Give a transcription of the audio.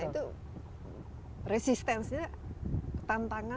nah itu resistensinya